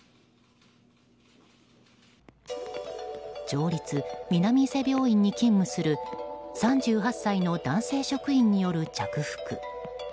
町立南伊勢病院に勤務する３８歳の男性職員による着服。